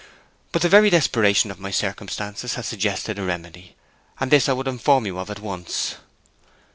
But the very desperation of my circumstances has suggested a remedy; and this I would inform you of at once.